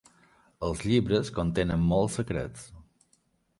Els llibres contenen molts secrets.